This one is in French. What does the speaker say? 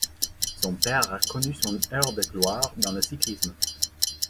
Son père a connu son heure de gloire dans le cyclisme.